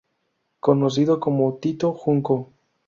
Conocido como Tito Junco.